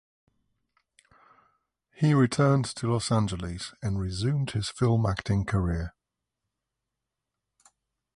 He returned to Los Angeles and resumed his film acting career.